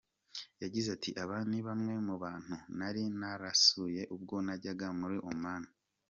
Yagize ati “Aba ni bamwe mu bantu nari narasuye ubwo najyaga muri Oman.